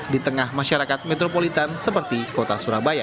di tengah masyarakat metropolitan seperti kota surabaya